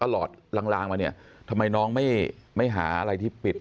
หลาดลางมาเนี่ยทำไมน้องไม่หาอะไรที่ปิด